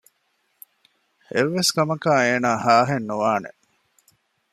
އެއްވެސް ކަމަކާ އޭނާ ހާހެއް ނުވާނެ